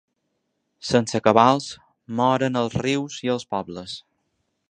Sense cabals moren els rius i els pobles!